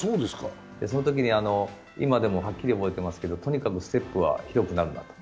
そのときに、今でもはっきり覚えてますけどとにかくステップは広くなるなと。